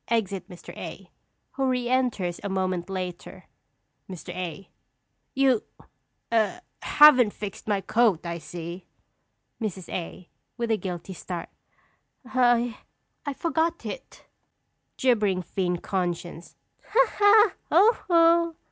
Exit Mr. A., who re enters a moment later._] Mr. A. You a haven't fixed my coat, I see. Mrs. A. (with a guilty start). I I forgot it! Gibbering Fiend Conscience. Ha, ha! Ho, ho!